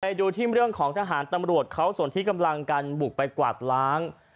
ดูที่เรื่องของทหารตำรวจเขาส่วนที่กำลังกันบุกไปกวาดล้าง